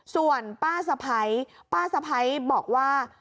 ส่วนป้าสะไภป้าสะไภบอกว่า